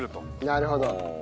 なるほど。